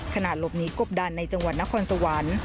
หลบหนีกบดันในจังหวัดนครสวรรค์